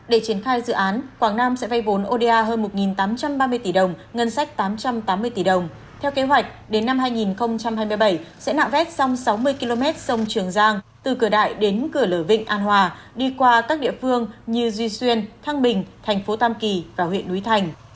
để triển khai dự án quảng nam sẽ vây vốn oda hơn một tám trăm ba mươi tỷ đồng ngân sách tám trăm tám mươi tỷ đồng theo kế hoạch đến năm hai nghìn hai mươi bảy sẽ nạo vét xong sáu mươi km sông trường giang từ cửa đại đến cửa lở vịnh an hòa đi qua các địa phương như duy xuyên thăng bình thành phố tam kỳ và huyện núi thành